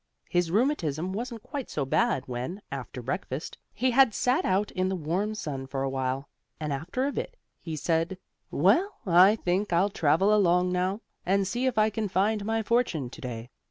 His rheumatism wasn't quite so bad when, after breakfast, he had sat out in the warm sun for a while, and after a bit he said: "Well, I think I'll travel along now, and see if I can find my fortune to day.